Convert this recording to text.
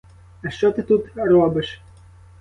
А що ти тут робиш?